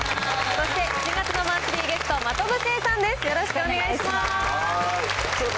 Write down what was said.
そして７月のマンスリーゲスト、真飛聖さんです。